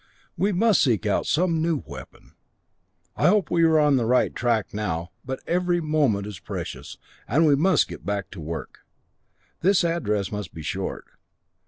We must seek out some new weapon. I hope we are on the right track now, but every moment is precious, and we must get back to the work. This address must be short.